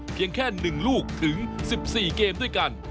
เพียงแค่๑ลูกถึง๑๔เกมด้วยกัน